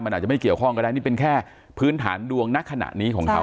มันอาจจะไม่เกี่ยวข้องก็ได้นี่เป็นแค่พื้นฐานดวงณขณะนี้ของเขา